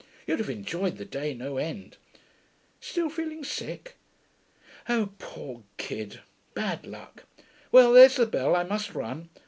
'You'd have enjoyed the day no end. Still feeling sick? Oh, poor kid, bad luck.... Well, there's the bell, I must run.